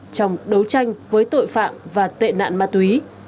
trong đấu tranh với tội phạm và tệ nạn ma túy